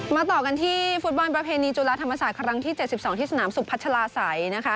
ต่อกันที่ฟุตบอลประเพณีจุฬาธรรมศาสตร์ครั้งที่๗๒ที่สนามสุพัชลาศัยนะคะ